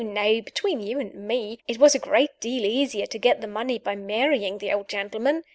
no! between you and me, it was a great deal easier to get the money by marrying the old gentleman.